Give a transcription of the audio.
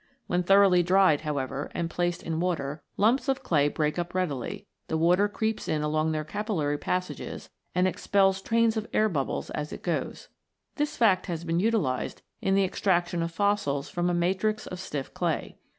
When thoroughly dried, however, and placed in water, lumps of clay break up readily ; the water creeps in along their capillary passages and expels trains of air bubbles as it goes. This fact has been utilised in the extraction of fossils from a matrix of stiff clay.